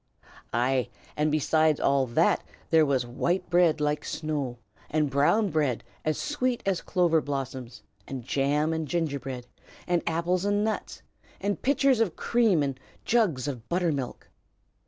Ay! and besides all that there was white bread like snow, and brown bread as sweet as clover blossoms, and jam and gingerbread, and apples and nuts, and pitchers of cream and jugs of buttermilk.